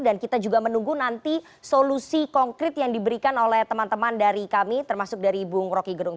dan kita juga menunggu nanti solusi konkret yang diberikan oleh teman teman dari kami termasuk dari bu ngroki gerung